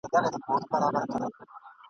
زموږ پر درد یې ګاونډي دي خندولي ..